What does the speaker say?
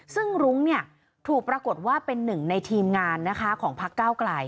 ซึ่งรุ้งถูกปรากฏว่าเป็นหนึ่งในทีมงานนะคะของพักเก้าไกล